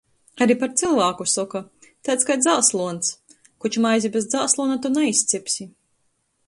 Ari par cylvāku soka - taids kai dzāsluons. Koč maizi bez dzāsluona to naizcepsi.